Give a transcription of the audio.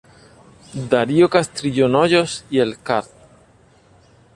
Darío Castrillón Hoyos y el Card.